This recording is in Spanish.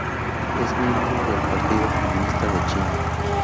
Es miembro del Partido Comunista de China.